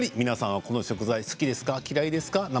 皆さんはこの食材好きですか？